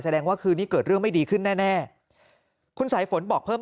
ว่าคืนนี้เกิดเรื่องไม่ดีขึ้นแน่แน่คุณสายฝนบอกเพิ่ม